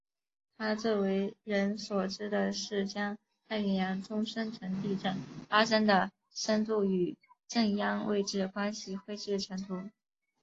他最为人所知的是将太平洋中深层地震发生的深度与震央位置关系绘制成图。